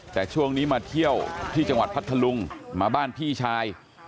แต่ช่วงนี้มาเที่ยวที่จังหวัดพัทธลุงมาบ้านพี่ชาย